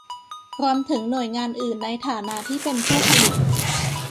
รวมถึงหน่วยงานอื่นในฐานะที่เป็นผู้ผลิต